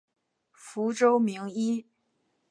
福州名医。